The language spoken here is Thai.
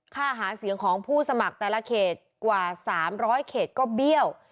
ค่าหาเสียงของผู้สมัครแต่ละเขตกว่า๓๐๐เขตก็เบี้ยว